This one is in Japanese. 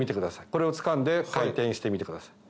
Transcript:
これをつかんで回転してみてください。